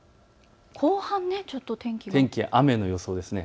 後半ちょっと、雨の予想ですね。